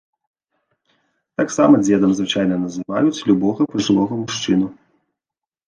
Таксама дзедам звычайна называюць любога пажылога мужчыну.